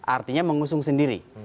artinya mengusung sendiri